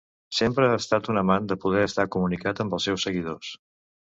Sempre ha estat un amant de poder estar comunicat amb els seus seguidors.